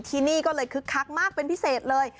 ที่นี่ก็เลยคึกคักมากเป็นพิเศษเลย